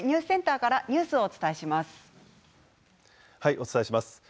お伝えします。